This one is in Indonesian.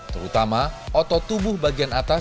terutama otot tubuh bagian atas